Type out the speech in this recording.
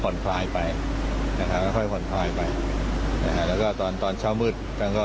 ขนขลายไปครับครับแล้วก็ตอนเช้ามืด